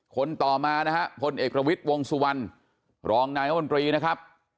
คนต่อมานะฮะพลเอกประวิทย์วงสุวรรณรองนายมนตรีนะครับ